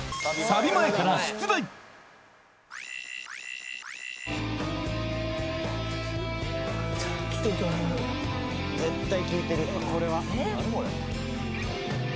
サビ前から出題絶対聞いてるよ・これは・何これ？